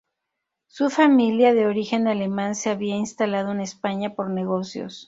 Su familia, de origen alemán, se había instalado en España por negocios.